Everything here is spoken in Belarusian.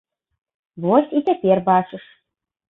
Вось, і цяпер бачыш.